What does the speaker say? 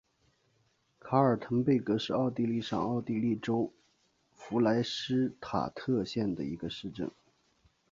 卡尔滕贝格是奥地利上奥地利州弗赖施塔特县的一个市镇。